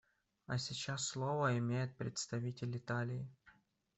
А сейчас слово имеет представитель Италии.